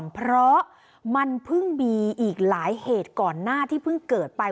เพราะมันเพิ่งมีอีกหลายเหตุก่อนหน้าที่เพิ่งเกิดไป